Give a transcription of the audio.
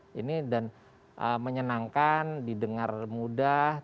jadi kemudian diulang ulang kemudian diulang ulang kemudian diulang ulang kemudian diulang ulang